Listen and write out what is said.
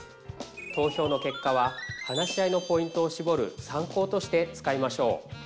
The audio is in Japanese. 投票の結果は話し合いのポイントをしぼる参考として使いましょう。